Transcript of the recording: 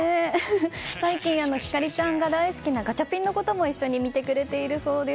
最近、光莉ちゃんが大好きなガチャピンのことも一緒に見てくれているそうです。